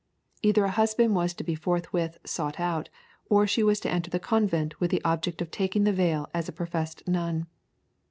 Either a husband was to be forthwith sought out, or she was to enter the convent with the object of taking the veil as a professed nun.